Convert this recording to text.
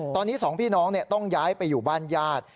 ตอนนี้สองพี่น้องต้องย้ายไปอยู่บ้านญาติ